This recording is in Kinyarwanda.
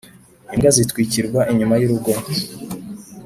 imbwa zitwikirwa inyuma y urugo